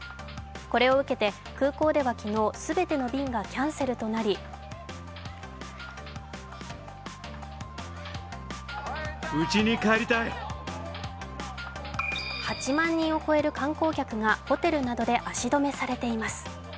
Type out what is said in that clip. これを受けて、空港では昨日、全ての便がキャンセルとなり８万人を超える観光客がホテルなどで足止めされています。